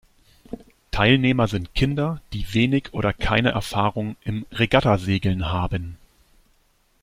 Teilnehmer sind Kinder, die wenig oder keine Erfahrung im Regattasegeln haben.